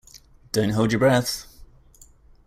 Don't hold your breath.